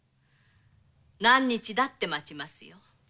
何日だって待ちますよ。